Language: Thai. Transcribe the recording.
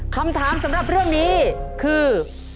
คำถามสำหรับเรื่องนี้คือ